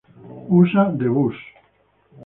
Usa D-Bus.